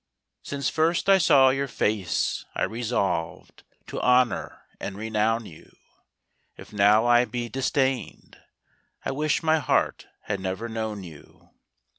Since first I saw your face I resolved To honour and renown you; If now I be disdained I wish my heart had never known you.